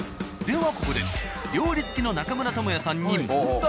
ではここで料理好きの中村倫也さんに問題。